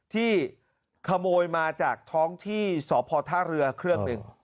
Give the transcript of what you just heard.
ที่ขโมยมาจากท้องที่สพท่าเรือเครื่องหนึ่ง